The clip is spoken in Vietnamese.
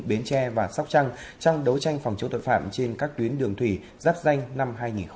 bến tre và sóc trăng trong đấu tranh phòng chống tội phạm trên các tuyến đường thủy giáp danh năm hai nghìn hai mươi ba